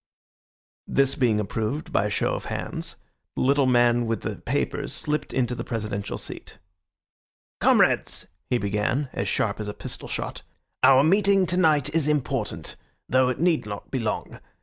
This being approved by a show of hands, the little man with the papers slipped into the presidential seat. "Comrades," he began, as sharp as a pistol shot, "our meeting tonight is important, though it need not be long.